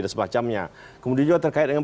dan semacamnya kemudian juga terkait dengan